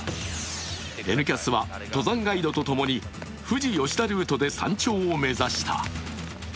「Ｎキャス」は登山ガイドとともに富士吉田ルートで山頂を目指した。